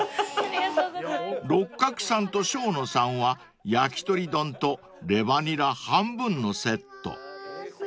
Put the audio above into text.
［六角さんと生野さんはやきとり丼とレバにら半分のセット］